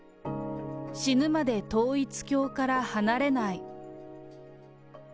死ぬまで統一教から離れない。